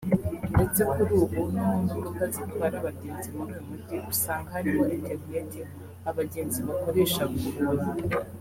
ndetse kuri ubu no mu modoka zitwara abagenzi muri uyu Mujyi usanga harimo internet abagenzi bakoresha ku buntu